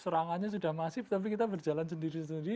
serangannya sudah masif tapi kita berjalan sendiri sendiri